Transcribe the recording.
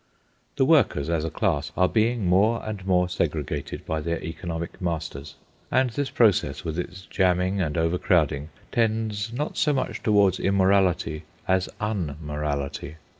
The workers, as a class, are being more and more segregated by their economic masters; and this process, with its jamming and overcrowding, tends not so much toward immorality as unmorality.